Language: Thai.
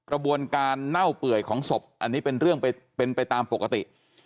กระบวนการเน่าเปื่อยของศพอันนี้เป็นเรื่องเป็นไปตามปกติ